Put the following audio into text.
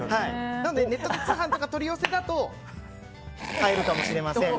ネットで通販とかで取り寄せると買えるかもしれません。